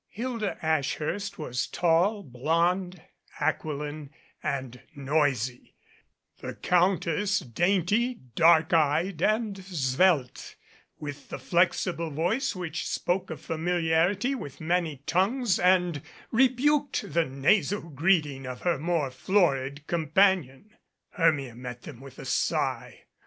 Hilda Ashhurst was tall, blonde, aquiline and noisy; the Countess, dainty, dark eyed and svelte, with the flexible voice which spoke of familiarity with many tongues and rebuked the nasal greeting of her more florid companion. Hermia met them with a sigh.